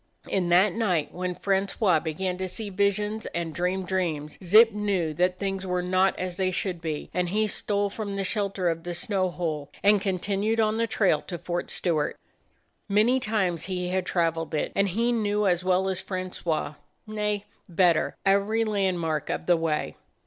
In that night when Francois began to see visions and dream dreams, Zip knew that things were not as they should be, and he stole from the shelter of the snow hole and continued on the trail to Fort Stewart. Many times he had traveled it, and he knew as well as Francois, nay, better, every landmark of the way.